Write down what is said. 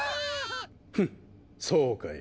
フッそうかい。